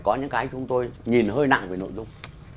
có những cái chúng tôi nhìn hơi nặng về nội dung